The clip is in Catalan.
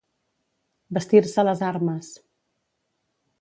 Vestir-se les armes.